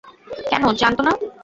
কেন জানতো না।